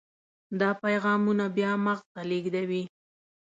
دا پیغامونه بیا مغز ته لیږدوي.